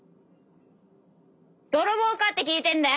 泥棒かって聞いてんだよ！